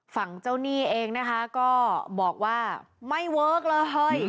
ฝั่งเจ้าหนี้เองนะคะก็บอกว่าไม่เวิร์คเลย